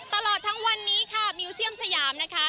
ตลอดทั้งวันนี้ค่ะมิวเซียมสยามนะคะ